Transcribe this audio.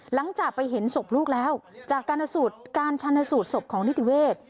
หลังจากไปเห็นศพลูกแล้วจากการสูตรการชันสูตรศพของนิติเวศ